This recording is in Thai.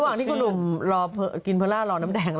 ระหว่างนี่กุลุมกินเพอร่ารอน้ำแดง